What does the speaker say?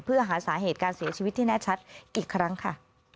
เพื่อหาสาเหตุการเสียชีวิตที่แน่ชัดอีกครั้งค่ะ